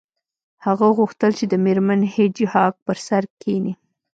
هغه غوښتل چې د میرمن هیج هاګ په سر کښینی